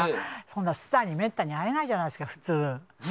それに、スターにはめったに会えないじゃないですか。